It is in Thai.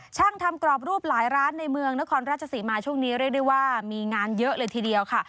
ช่างทำกรอบรูปหลายร้านในเมืองนครราชสีมาช่วงนี้เรียกได้ว่ามีงานเยอะเลยทีเดียวค่ะ